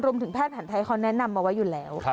รวมถึงแพทย์แผ่นไทยเขานัยนำมาไว้อยู่แล้ว